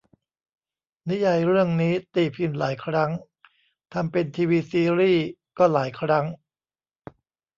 นิยายเรื่องนี้ตีพิมพ์หลายครั้ง ทำเป็นทีวีซีรี่ส์ก็หลายครั้ง